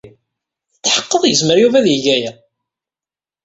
Tetḥeqqed yezmer Yuba ad yeg aya?